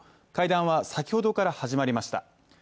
会談は先ほどから始まりました。